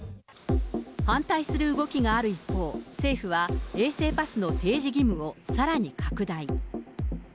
反対する動きがある一方、政府は、衛生パスの提示義務をさらに拡大。